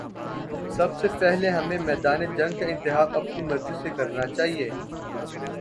سب سے پہلے ہمیں میدان جنگ کا انتخاب اپنی مرضی سے کرنا چاہیے۔